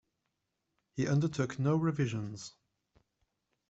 He undertook no revisions.